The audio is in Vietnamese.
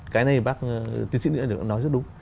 cái này thì bác tiến sĩ nguyễn đã nói rất đúng